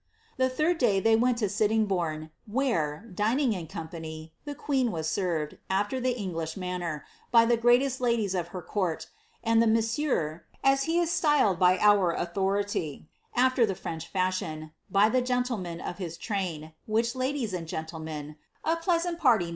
The third day ihey wen to Sitiingbourne, where, dining in company, the queen was served, afie the English manner, by the greatest ladies of her court, and the moa ?ieur (as he is siyled by our authority), after the French fashion, by lln gentlemen of his train, which ladies and gentlemen — a pleasant parly 'JVevsrs. 55.'>— 551. 'Ncvars; L.